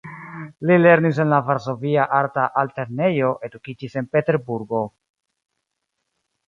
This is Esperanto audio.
Li lernis en la Varsovia Arta Altlernejo, edukiĝis en Peterburgo.